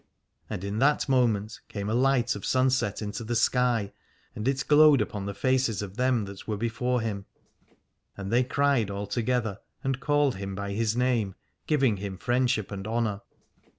And in that moment came a light of sunset into the sky, and it glowed upon the faces of them that were before him : and they cried all together and called him by his name, giving him friendship and honour.